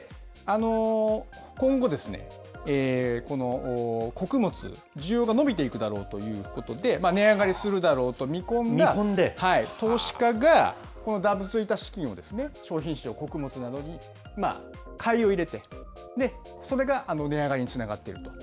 今後、この穀物、需要が伸びていくだろうということで、値上がりするだろうと見込んで、投資家が、このだぶついた資金を商品市場、穀物などに買いを入れて、それが値上がりにつながっていると。